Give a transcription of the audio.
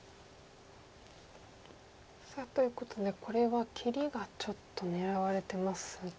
さあということでこれは切りがちょっと狙われてますが。